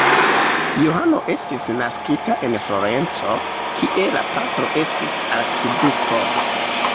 Johano estis naskita en Florenco, kie la patro estis arkiduko.